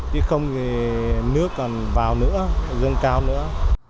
thì không thì nước còn vào nữa dương cao nữa